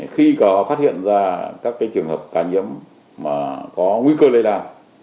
khi có phát hiện ra các trường hợp ca nhiễm mà có nguy cơ lây đàn